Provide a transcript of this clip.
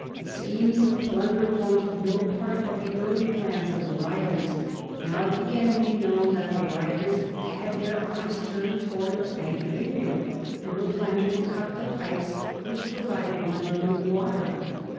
Schemes of plunder formed no part of the early plans of the rioters; now it began to be known that the rioters had their eyes turned towards the Bank of England and were planning to cut the pipes which provided London with water.